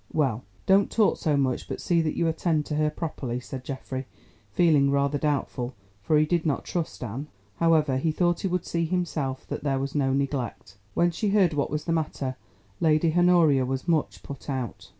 "Well, don't talk so much, but see that you attend to her properly," said Geoffrey, feeling rather doubtful, for he did not trust Anne. However, he thought he would see himself that there was no neglect. When she heard what was the matter, Lady Honoria was much put out.